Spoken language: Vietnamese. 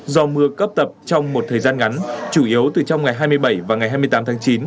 do mưa cấp tập trong một thời gian ngắn chủ yếu từ trong ngày hai mươi bảy và ngày hai mươi tám tháng chín